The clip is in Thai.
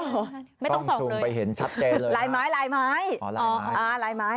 ไม่ต้องส่งเลยนะลายไม้วงไปเห็นชัดเต็มเลยลายไม้